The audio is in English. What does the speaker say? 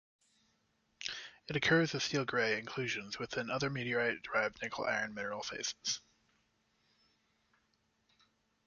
It occurs as steel gray inclusions within other meteorite derived nickel iron mineral phases.